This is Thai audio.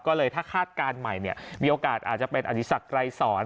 ก็เลยถ้าคาดการณ์ใหม่เนี่ยมีโอกาสอาจจะเป็นอดีศักดิ์ไกรสอน